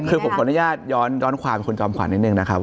คือผมขออนุญาตย้อนความคุณจอมขวัญนิดนึงนะครับ